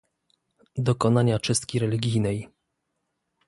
dokonania czystki religijnej